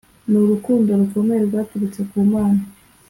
Nurukundo rukomeye Rwaturutse ku Mana.